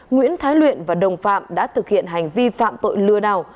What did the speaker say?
nguyễn thái luyện và đồng phạm đã thực hiện hành vi phạm tội lừa đảo